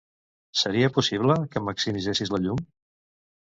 Seria possible que maximitzessis la llum?